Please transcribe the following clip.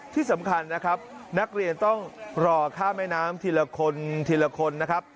ที่สำคัญนะครับนักเรียนต้องรอข้ามแม่น้ำทีละคนทีละคนนะครับ